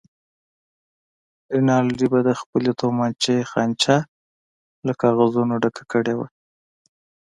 رینالډي به د خپلې تومانچې خانچه له کاغذونو ډکه کړې وه.